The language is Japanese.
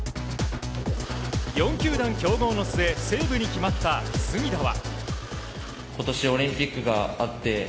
４球団競合の末西武に決まった、隅田は。